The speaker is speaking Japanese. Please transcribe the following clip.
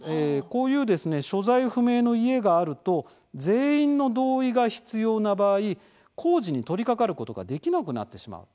こういうですね所在不明の家があると全員の同意が必要な場合工事に取りかかることができなくなってしまう。